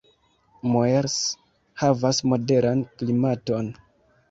Moers havas moderan klimaton.